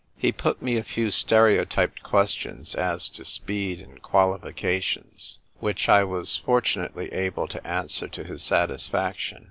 He put me a few stereotyped questions as to speed and qualifications, which I was for tunately able to answer to his satisfaction.